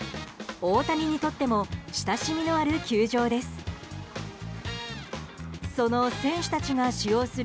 大谷にとっても親しみのある球場です。